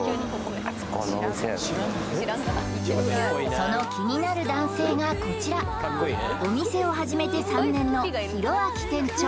その気になる男性がこちらお店を始めて３年の寛明店長